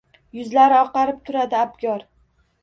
Yuzlari oqarib turadi abgor